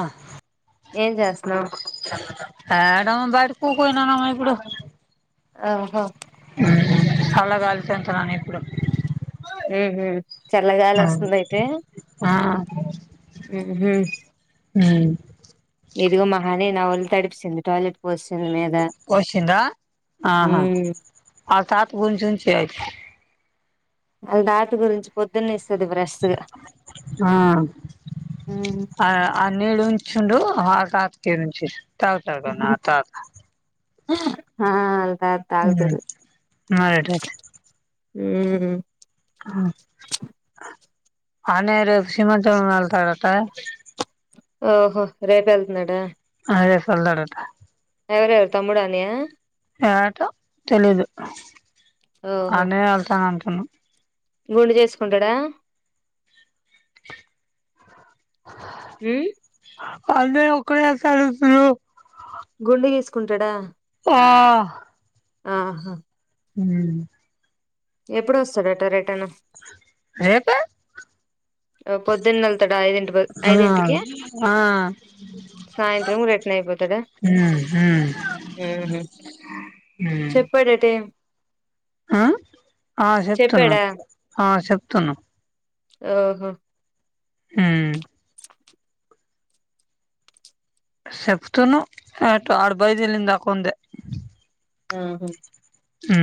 ఆ ఏం జేస్తున్నా బయటకుకుయినామ్ ఇప్పుడు ఆహా అలా గాలిచంతనాని ఇప్పుడు ఉహ చల్లగాలి వస్తుంద అయితే ఆ ఆ హ ఎదిగో మహానే న ఒలు తడిపింది టాయిలెట్ పోసింది మీద వశింద ఉ ఆహా అ తత్ గుంచి ఉంంచిి అయితే అళ్ దాత గురించి పొద్దున్నస్త ఆ ఆ ఆన్నీ డుచుండు హగా కేంచి తగుతగుతన్నా తత ఆా హ మరిట హ్మ్ అనేరు సిీమాచల మళ్తర ంతా ఓహో రేపు వెళ్త్నుడా అదే సోల్దడట ఎవరు ఎవరు తమ్ముడానియా ఏటా తెలీదు ఓహో అన్న వెళ్తాను అంటున్నా గుండు చేసుకుంటాడా హ అదే ఒకడే చారుతులు [unintelligible] గుండు గీసుకుంటాడా ఆ ఆహా హ ఎప్పుడు వస్తాడుట రేటన్ ఏ పే పొద్దున్న న వెళ్తాడా ఐదింటి ఆ ఐదింటికి ఆ సాయంత్రం రిటర్న్ అయిపోతాడా ఉమ్ ఉమ్ ఆహా ఉమ్ చెప్పాడు ఏ టైమ్ ఆ ఆ చెప్తున్నా చెప్పాడా ఆ చెప్తున్నా ఆహా ఉమ్ సేప్తున్నావ్ అటు ఆడు బైదీలిందకుందే ఆహా అ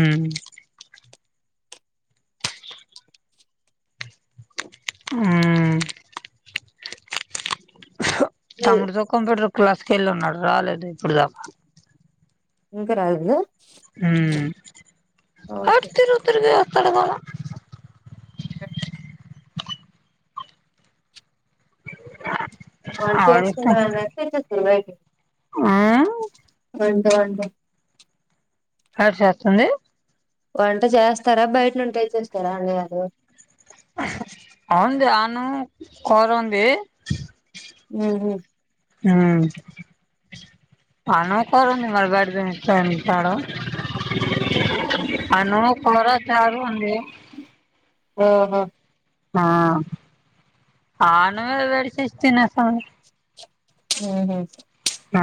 అ లేదు తమ్ముడుతో కంప్యూటర్ క్లాస్ క వెళ్ళి ఉన్నాడు రాలేదు ఇప్పుడు దాకా ఇంకా రాలేదు గా హ ఓకే ఆట్తిరు తర్గా అడగాలా వాళ్ళు చేసుకుంటా ఆడిష్టం అంటే తెచేతవ ఏటి ఆ వంట వండు కడ్ చేస్తుంది వంట చేస్తారా బయట నుండి చేస్తారా అండారు అవుంది అను కోర ఉంది ఆ ఆ అన్నం కోరు ఉంది మరబాడ్ద తిని వత అంటున్నాడు అన్నము కొరా చారు ఉంది ఆహా ఆ అన్నమే వేడి చేసి తినేస్తాను అహా ఆ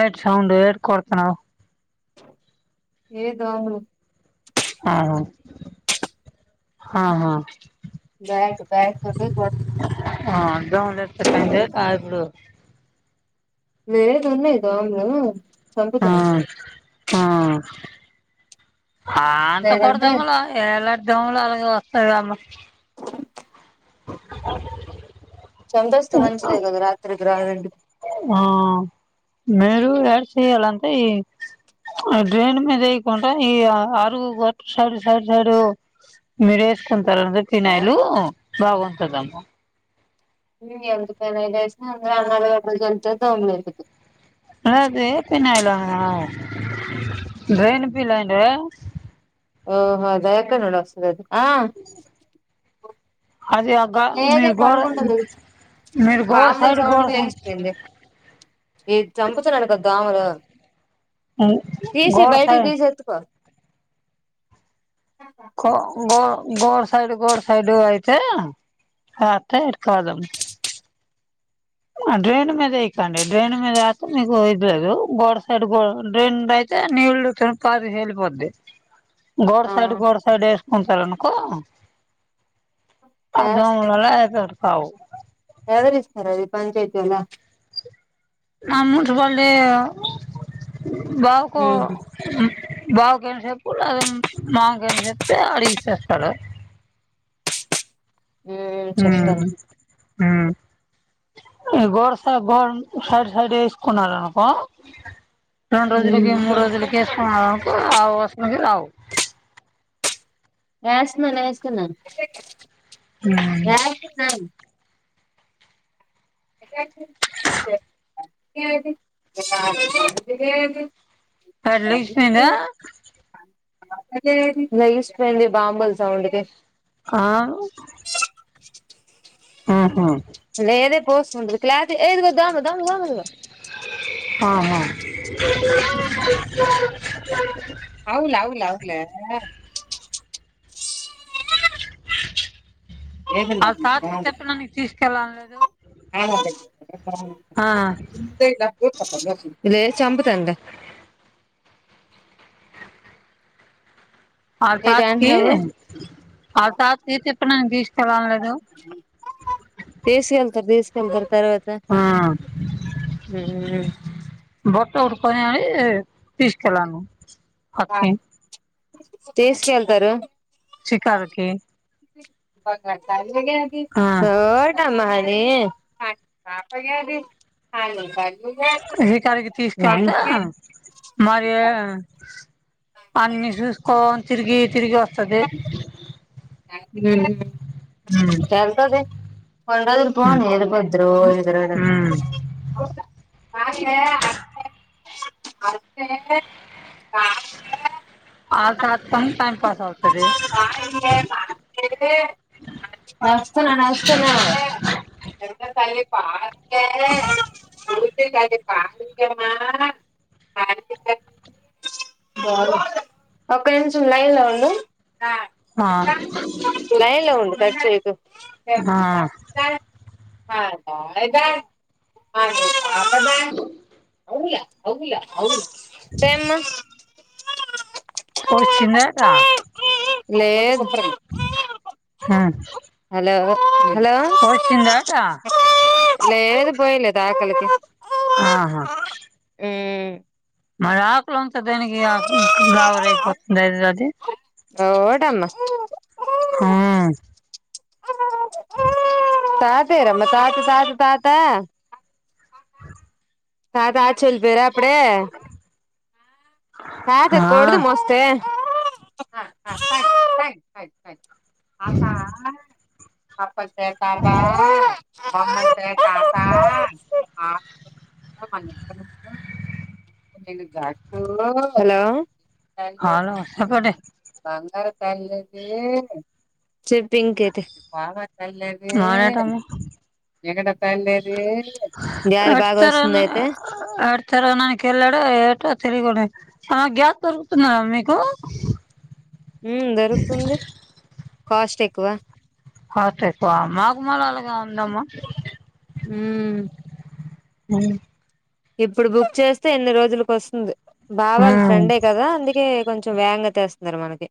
ఏట్ సౌండు ఏ కొడుతున్నావు ఏ దోమలు ఆ ఆహా దాయక దాయక తోటె కో ఆ గ్రౌండ్ ఏట్టా కా ఇప్పుడు వేరే రూములివి దోమలు ఆ చంపుతున్న అ లేదంటే అంతకూడదమ్మలో ఎలాంటి దమ్ములు అలాగే వస్తదమ్మ చంపేస్తే మంచిదే కదా రాత్రికి రాలడి ఆ మీరు ఏం సేయ్యాలి అంటే ఈ డ్రైన్ మీద అయకుంట ఈ ఆరు కొ సైడ్ సైడ్ సైడు మీరుస్కంతారంద తినయిలు బాగుంతదమ్మ ఎంత పని చేసినా అంద అన్నాడు [unintelligible] అదే ఫినాయిల్ డ్రైన్ పిలన ఓహో అ దాయక నోడు వసంది అది ఆ అది ఆ గా లేదే మీరు గోడ పడుకుండదు మీరు గోడ బాంబు లా సైడ్ గోడ సౌండ్కి సైడ్ లేసిపోయింది ఏ చంపుతునడు కదా దోమలు తీసెయ్ గోడ బయటికి సైడ్ తీసి ఎత్తుకో గో గో గోడ సైడు గోడ సైడు అయితే అతే ఇటు కాదం డ్రైన్ మ మీద ఇయికండి డ్రైన్ మద ఆత మీ ఇదు గోడ్ సైడ్ గో డ్రైన్యి నీళ్ళు తనుప అది హపోద్ది గోడ ఆ సైడ్ గోడ సైడ్ వేసుకుంటారునుకో అర్థం అవళ [unintelligible] ఎవ ఇస్తార అది పంచాయతీవోళ్ళ మా [unintelligible] బాబకు ఉహు బావకైన సెప్పు లేదా మామ కైన చెప్తే అడిగి తెత్తారు ఉమ్ చెప్తాను హ్మ్ ఈ గోడ్ సైడ్ గోడ్ సైడ్ సైడ్ వేసుకున్నారునుకో రెండు రోజులకి మూడు రోజులకి వేసుకున్నావ్ అనుకో అవి అసల్కి రావు వేస్తున్నాను వేస్తున్నాను అ అ పండైపోయిందా లెజిస్పోయింది బాంబుల్ సౌండ్కి ఆ ఇ హుహు లే ఏద పో ఉ కల ఏదిగ దోమ దోమ దోమ చూడు హా హా అవులేవులావులే ఆ ఏదిలా. తాత [unintelligible] తీసుకెళ్ళలని లేదు ఆ అంతేగా లేద్ చంపుతానలే ఆ తాతకి ఏంటంటున్నావు ఆ తాతకి టిఫెన్ అంటే ఇష్టమా లేదో ఏసి వెయ్యాలి పెద్దగా [unintelligible] ఆ [unintelligible] తీసుకెళ్ళాలి అట్నీ తీసుకెళ్తారు శికారుకి ఒదమ్మ ఇది షికారుకు తీసుకెళ్తా మరి అన్ని చూసుకోని తిరిగి తిరిగి వస్తది ఉమ్ వెళ్తది కొన్ని రోజులు ఉమ్ బాగుంది ఉమ్ [unintelligible] [inaudible] [inaudible] ఆ తాతతోనే టైమ్ పాస్ అవుతాది వస్తున్న వస్తున్నా [unintelligible] ఒక నిమిషం లైన్ లో ఉండు ఆ లైన్ లో ఉండు కట్ చేయకు ఆ థాయ్ ధ్యాయ్ అ అవు అవు ఏమ్మా వచ్చిందక్క లేదు ఉమ్ హాలో హలో పోసిందట లేదు పోయలేదు ఆకలికి హాహా హ్మ్ మరి ఆకులంతా దేనికి [unintelligible] గావర అయిపోతుంది అది అది ఎవ్వడన్నా హా తాతేరమ్మా తాత తాత తాత తాత ఆచ్ ఎళ్ళి పోయారా అప్పుడే తాత ఆ కోడుదుం వస్తే [inaudible] హలో చెప్పు ఇంక అయితే మరేటమ్మ గాలి ఎటు బాగా వస్తుంది అయితే కెళ్ళాడో ఎటో [inaudible] గ్యాస్ దొరుకుతుందా మీకు ఊ దొరుకుతుంది కాస్ట్ ఎక్కువ కాస్ట్ ఎక్కువా మాకు మళ్ళ అలాగే ఉందమ్మా ఊ ఊ ఇప్పుడు బుక్ చేస్తే ఎన్ని రోజులకు వస్తుంది బావాళ్ళ ఉమ్ ఫ్రెండే కదా అందుకే కొంచెం వేగంగా తెస్తున్నారు మనకి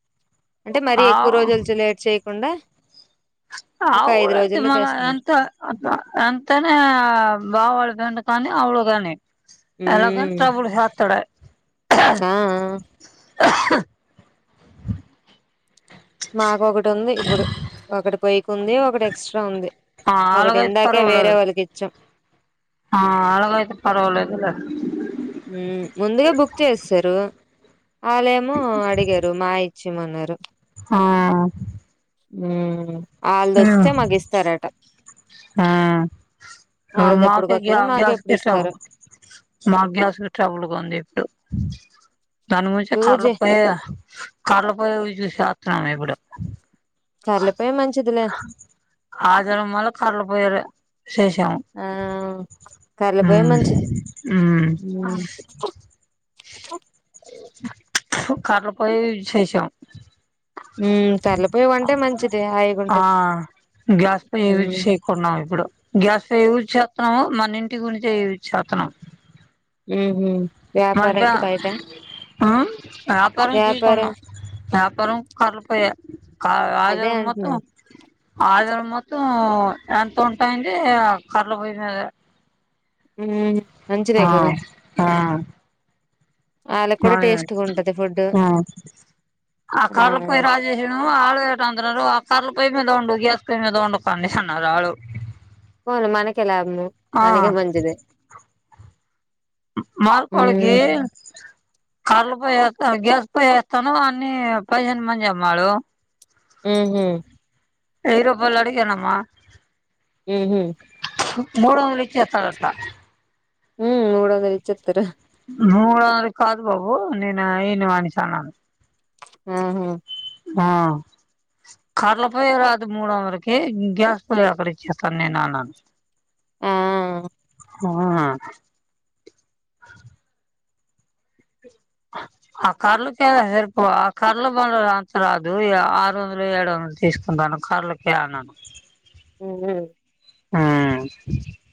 అంటే మరీ ఎక్కువ ఆ రోజులుచి లేట్ చేయకుండా ఒక ఐదు [unintelligible] రోజుల్లో తెస్తున్నారు ఎంతనే బావొళ్ళ దొండ ఉమ్ [unintelligible] ఆ ఆ ఇప్పుడు ఒకటి బైక్ ఉంది ఒకటి ఎక్స్ట్రా ఉంది ఆ ఒకటి అలాగైతే ఇందాకే వేరే పర్వాలేదు వాళ్ళకి ఇచ్చాం ఆ అలగైతే పర్వాలేదు లే ఉమ్ ముందుగా బుక్ చేసేసారు వాళ్ళేమో అడిగారు మా ఇచ్చిమన్నారు ఆ ఉమ్ ఆళ్ళదొస్తే మాగిస్తారట ఉమ్ ఇప్పుడు మాకే గ్యా ఎప్పుడుకొత్తదో మాకు గ్యాస్ ఎప్పుడు కే ఇస్తారు [unintelligible] మా గ్యాస్ ట్రబుల్గ్ ఉంది ఇప్పుడు దాని నుంచే కట్లు లూజే పోయ్యా కట్లు పోయ్య యూసిసేత్తున్నాము ఇప్పుడు కర్లపోయే మంచిదిలే ఆధారం మళ్లీ కర్రలపోయేరే ఆ కర్లపోయే మ్మ్ మంచిది హ్మ్ ఉమ్ కట్లు పొయ్యే యూజ్ చేశాం ఉమ్ కట్ల పోయ్యి వంటే మంచిది హై ఆ గ్యాస్ పొయ్యి యూజి చేయకుండాము ఇప్పుడు గ్యాస్ పొయ్యి యూజ్ చేత్తున్నాము మన ఇంటి గురించి యూజ్ చేత్తన్నాం ఉమ్ హు వ్యాపారానికి బయట ఆ వ్యాపారానికి వ్యాపారం కొన్నాం వ్యాపారం కర్రలపోయా కా అదే ఆధారం అంటున్నా మొత్తం ఆధారం మొ త్తం ఎంత ఉంటాయి అండి ఆ కర్రలు పోయి మీద హ్మ్ ఆ ఆ వాళ్ళకి [unintelligible] కూడా టేస్ట్ గా ఉంటది ఫుడ్ ఆ ఆ కర్రల పొయ్యి రాజేష్ను వాళ్ళు ఏట అంతన్నారు ఆ కర్ర్లపొయ్ మీదండు గ్యాస్ పొయ్యి మీదండుతంది అన్నాడు ఆడు పోను మనకే లాభము, ఆ మనకే మంచిది. మార్కోడిగి ఉమ్ కర్లు పోయ త గ్యాస్ పొయ్యి ఏస్తాను అన్ని పదిహేను మంజమ్మాడు ఉహు వెయ్యి రూపాలు అడిగనమ్మా ఉహు మూడు వందలు ఇచ్చేత్తారంట. ఉమ్ ముదొందలు ఇచ్చేత్తరు మూడుంద కాదు బాబు నేను ఏయను అనిసన్నాను. ఆహు ఆ కర్ల పోయేరాదు మూడు వందలకి, గ్యాస్ పొయ్యి ఎక్కడ ఇచ్చేస్తాను నేను అన్నాను. ఆ హా ఆ కర్రలుకే సరిపో ఆ కర్రలు బందలు అంత రాదు, ఇగ ఆరు వందలు ఏడు వందలు తీసుకొనిరా ఆ కర్రలకేన్న ఉహ్ ఉమ్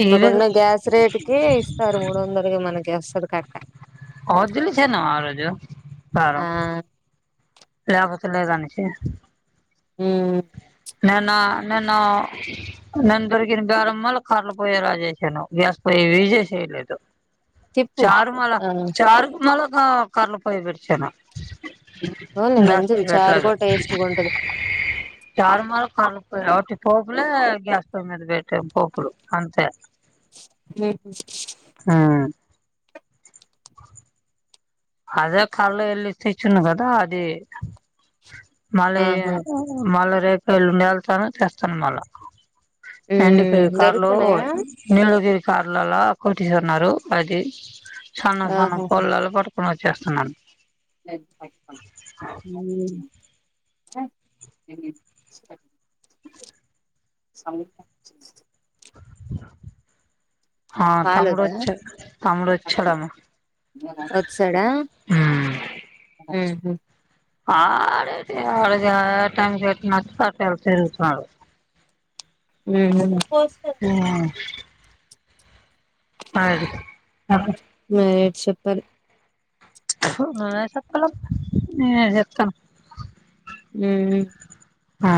ఇప్పుడుకున్న గ్యాస్ రేటు కి ఇస్తారు మూడు వందలకి మనకి వస్తది కట్ట. [unintelligible] ఆరోజు సారు ఆ లేపోతే లేదానేసి ఉమ్ నేన్న నేను నేను దొరికిన బేరమ్మళ కరలు పోయ రాజేసేను, గ్యాస్ పొయ్యివి జేసేయలేదు. తిప్పు చారుమల ఆ చారుకు మళ్ళగా కర్లు పొయ్యి పెట్టేసాను. ఓన్లీ జస్త మంచిది ఇయి చారు పెట్లను కూడా టేస్ట్గా ఉంటది మలు మలు కాలపోయి ఒకటి పోపులే, గ్యాస్ పొయ్యి మీద పెట్టాం పోపులు అంతే ఉమ్ హ అదే కార్లో వెళ్ళిస్ తెచ్చున్నా కదా అది. మళ్ళీ ఆహా మళ్ళా రేపు ఎల్లుండి ఎళ్తాను తెస్తాను మళ్ళా. హండి ఫై ఉమ్ కార్లో దొరుకుతున్నాయా నిలువ జే కార్లలో కొట్టిస్తున్నారు, అది సన్నం సన్నం ఆహా పుల్లలు కొడుత్ వచ్చేస్తున్నాను. అ ఆ తమ్ముడు పాలొద్దా వచ్చాడు, తమ్ముడు వచ్చాడమ్మా వత్సడా ఉహు ఆడడే ఆడ టైం చెత్ నచ్ అట్ తిరుగుతున్నాడు. ఉమ్ ఉమ్ అది మరిడ్ చెప్పలి చెప్పలేం ఏం చెప్తాం ఉమ్ మ్ ఆ